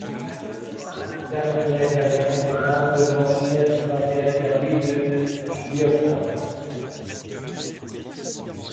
Certaines réserves nationales peuvent aussi être classées Réserve de biosphère.